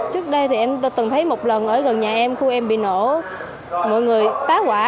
trước đây thì em từng thấy một lần ở gần nhà em khu em bị nổ mọi người tá quả